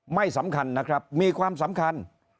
ไม่สำคัญนะครับมีความสำคัญ